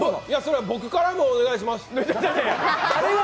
いや、それ、僕からもお願いします。